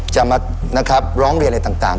จะมานะครับร้องเรียนอะไรต่าง